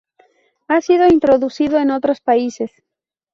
Ha sido introducido en otros países.